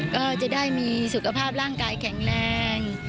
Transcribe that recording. ก็จะได้มีสุขภาพร่างกายแข็งแรง